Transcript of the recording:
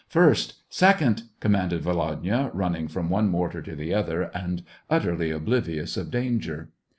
" First ! second !" commanded Volodya, running from one mortar to the other, and utterly oblivious of danger.